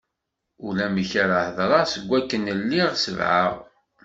Ulamek ara hedreɣ seg akken lliɣ sebεeɣ.